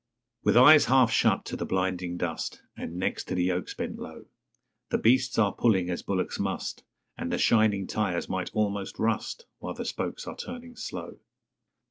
With eyes half shut to the blinding dust, And necks to the yokes bent low, The beasts are pulling as bullocks must; And the shining tires might almost rust While the spokes are turning slow.